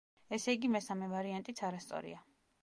ესე იგი, მესამე ვარიანტიც არასწორია.